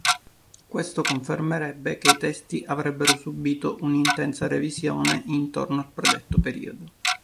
Questo confermerebbe che i testi avrebbero subito un'intensa revisione intorno al predetto periodo.